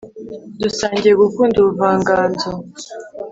dusangiye gukunda ubuvanganzo.